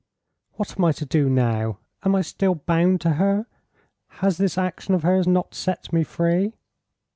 "What am I to do now? Am I still bound to her? Has this action of hers not set me free?"